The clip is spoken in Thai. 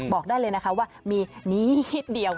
บอกได้เลยนะคะว่ามีนี้คิดเดียว